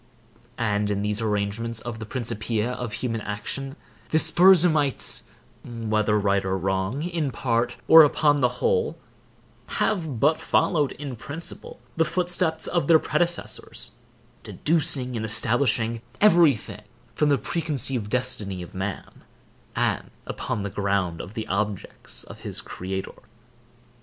And in these arrangements of the Principia of human action, the Spurzheimites, whether right or wrong, in part, or upon the whole, have but followed, in principle, the footsteps of their predecessors; deducing and establishing every thing from the preconceived destiny of man, and upon the ground of the objects of his Creator.